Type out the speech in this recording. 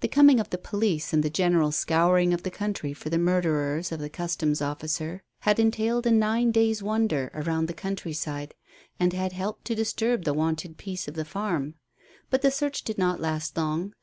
The coming of the police and the general scouring of the country for the murderers of the Customs officer had entailed a "nine days' wonder" around the countryside, and had helped to disturb the wonted peace of the farm. But the search did not last long.